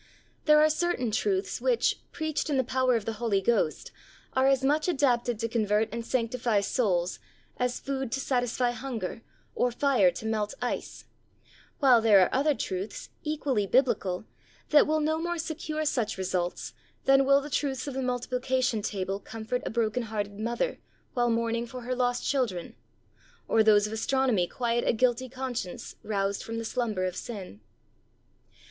There are certain truths which, preached in the power of the Holy Ghost, are as much adapted to convert and sanctify souls as food to satisfy hunger, or fire to melt ice; while there are other truths, equally Biblical, that will no more secure such results than will the truths of the multiplication table comfort a broken hearted mother while mourning for her lost children, or those of astronomy quiet a guilty conscience roused from the slumber of sin. 108 THE soul winner's SECRET.